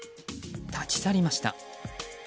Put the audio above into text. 立ち去りました。